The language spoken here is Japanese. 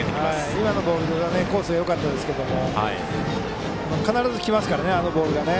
今のボールコースはよかったですけど必ず来ますからね、あのボールが。